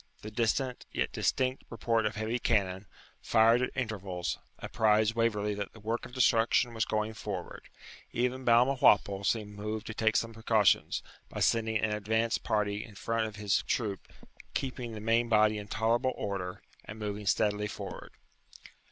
The distant yet distinct report of heavy cannon, fired at intervals, apprized Waverley that the work of destruction was going forward. Even Balmawhapple seemed moved to take some precautions, by sending an advanced party in front of his troop, keeping the main body in tolerable order, and moving steadily forward.